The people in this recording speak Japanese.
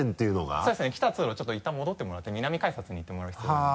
そうですね来た通路をちょっといったん戻ってもらって南改札に行ってもらう必要があります。